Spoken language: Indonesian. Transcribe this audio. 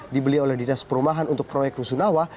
dibeli oleh dinas perumahan untuk proyek rusun awa